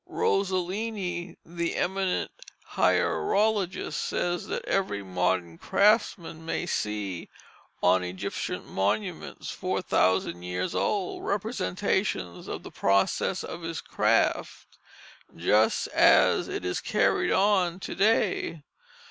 Rosselini, the eminent hierologist, says that every modern craftsman may see on Egyptian monuments four thousand years old, representations of the process of his craft just as it is carried on to day.